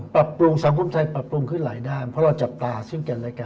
ปรับปรุงสังคมไทยปรับปรุงขึ้นหลายด้านเพราะเราจับตาซึ่งกันและกัน